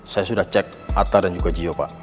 saya sudah cek atta dan juga jio pak